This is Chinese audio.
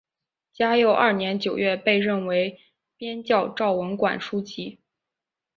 嘉佑二年九月被任为编校昭文馆书籍。